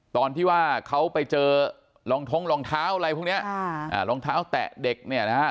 ตอนที่ว่าเขาไปเจอรองท้องรองเท้าอะไรพวกเนี้ยอ่ารองเท้าแตะเด็กเนี่ยนะฮะ